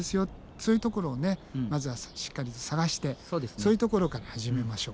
そういうところをまずはしっかりと探してそういうところから始めましょう。